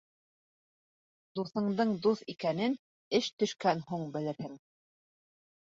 Дуҫыңдың дуҫ икәнен эш төшкән һуң белерһең.